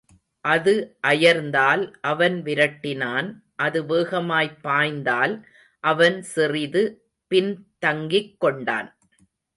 அது அயர்ந்தால், அவன் விரட்டினான், அது வேகமாய்ப் பாய்ந்தால், அவன் சிறிது பின் தங்கிக்கொண்டான்.